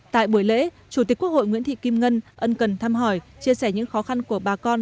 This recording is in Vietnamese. tại buổi lễ chủ tịch quốc hội nguyễn thị kim ngân ân cần thăm hỏi chia sẻ những khó khăn của bà con